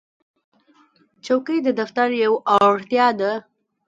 چوکۍ د دفتر یوه اړتیا ده.